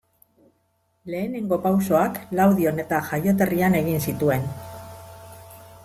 Lehenengo pausoak Laudion eta jaioterrian egin zituen.